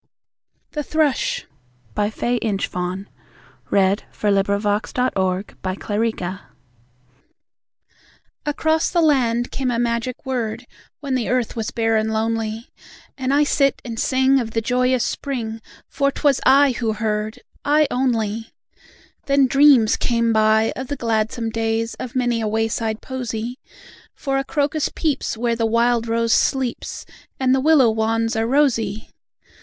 The Thrush Across the land came a magic word When the earth was bare and lonely, And I sit and sing of the joyous spring, For 'twas I who heard, I only! Then dreams came by, of the gladsome days, Of many a wayside posy; For a crocus peeps where the wild rose sleeps, And the willow wands are rosy!